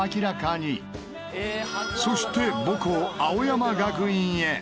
そして母校青山学院へ。